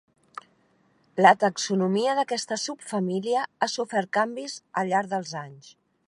La taxonomia d'aquesta subfamília ha sofert canvis al llarg dels anys.